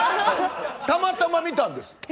たまたま見たんです。